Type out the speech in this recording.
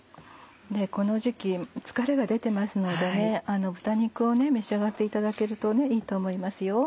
この時期疲れが出てますので豚肉を召し上がっていただけるといいと思います。